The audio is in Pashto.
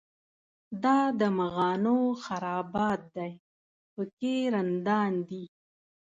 دا د مغانو خرابات دی په کې رندان دي.